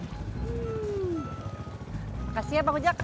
makasih ya bang ojak